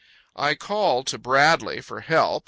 I call to Bradley for help.